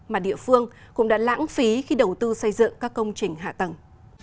mà địa phương cũng đã lãng phí khi đầu tư xây dựng các công trình hạ tầng